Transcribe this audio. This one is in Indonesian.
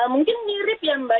mungkin mirip ya mbak